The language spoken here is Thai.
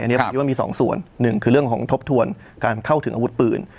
อันนี้ผมคิดว่ามีสองส่วนหนึ่งคือเรื่องของทบทวนการเข้าถึงอาวุธปืน